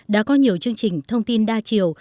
đã có nhiều chương trình thông tin đa chiều